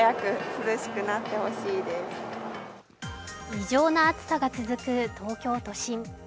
異常な暑さが続く東京都心。